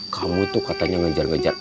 kamu tuh katanya ngejar ngejar